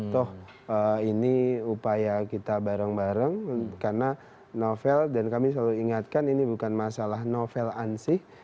toh ini upaya kita bareng bareng karena novel dan kami selalu ingatkan ini bukan masalah novel ansih